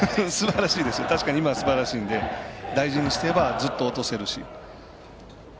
確かに今はすばらしいんで大事にしていればずっと落とせるし。